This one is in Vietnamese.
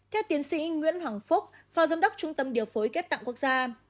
theo tiến sĩ nguyễn hoàng phúc phó giám đốc trung tâm điều phối ghép tạng quốc gia